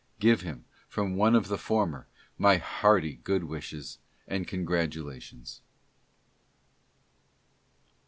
Give him, from one of the former, my hearty good wishes and congratulations.